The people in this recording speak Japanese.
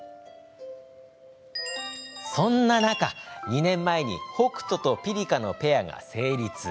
そんな中、２年前にホクトとピリカのペアが成立。